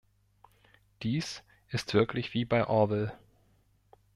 Dies ist wirklich wie bei Orwell.